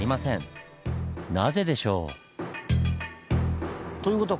なぜでしょう？